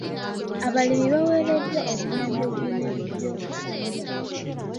Abalimi baweereddwa obuyambi okulima ebintu eby'okutunda.